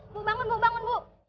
ibu bangun ibu bangun ibu